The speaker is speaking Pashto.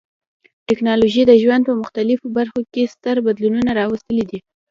ټکنالوژي د ژوند په مختلفو برخو کې ستر بدلونونه راوستلي دي.